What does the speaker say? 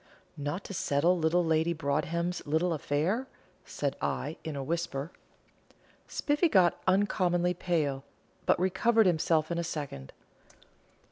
"Not to settle little Lady Broadhem's little affair?" said I, in a whisper. Spiffy got uncommonly pale, but recovered himself in a second.